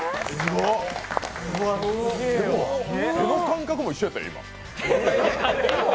手の感覚も一緒やったよ、今。